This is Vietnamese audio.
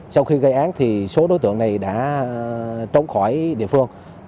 sau khi gây án thì số đối tượng này đã trốn khỏi địa phương